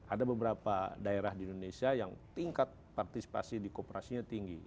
ada beberapa daerah di indonesia yang tingkat partisipasi di kooperasinya tinggi